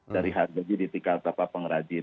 dari harga jadi tiga ataupun pengrajin